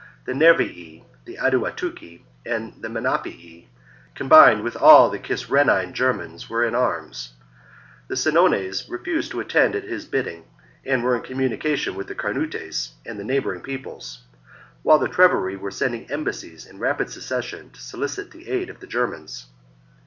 The Nervii, the Aduatuci, and the Menapii, combined with all the Cisrhenane Germans,^ were in arms ; the Senones refused to attend at his bidding, and were in communication with the Carnutes and the neighbouring peoples ; while the Treveri were sending embassies in rapid succession to solicit the ^ aid of the Germans.